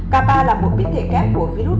kappa là một biến thể kép của virus